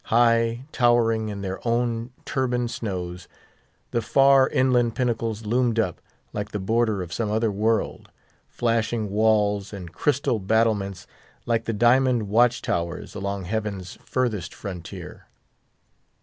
High, towering in their own turbaned snows, the far inland pinnacles loomed up, like the border of some other world. Flashing walls and crystal battlements, like the diamond watch towers along heaven's furthest frontier.